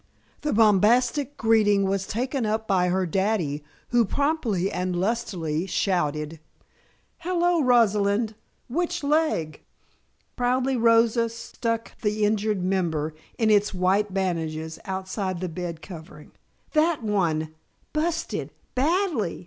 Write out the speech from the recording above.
The bombastic greeting was taken up by her daddy who promptly and lustily shouted: "Hello, Rosalinda! Which leg?" Proudly Rosa stuck the injured member, in its white bandages, outside the bed covering. "That one! 'Busted' badly!"